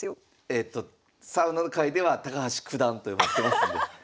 えとサウナ界では高橋九段と呼ばれてますんで。